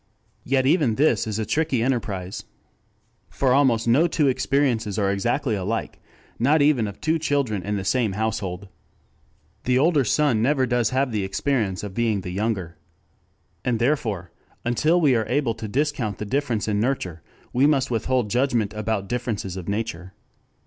Yet even this is a tricky enterprise. For almost no two experiences are exactly alike, not even of two children in the same household. The older son never does have the experience of being the younger. And therefore, until we are able to discount the difference in nurture, we must withhold judgment about differences of nature.